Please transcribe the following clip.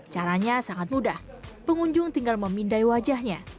caranya sangat mudah pengunjung tinggal memindai wajahnya